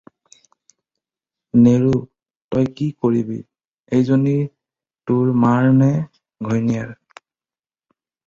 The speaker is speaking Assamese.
নেৰোঁ, তই কি কৰিবি! এইজনী তোৰ মাৰ নে ঘৈণীয়েৰ!